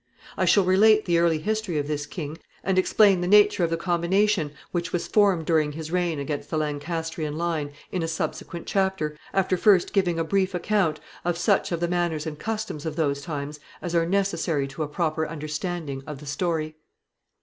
I shall relate the early history of this king, and explain the nature of the combination which was formed during his reign against the Lancastrian line, in a subsequent chapter, after first giving a brief account of such of the manners and customs of those times as are necessary to a proper understanding of the story.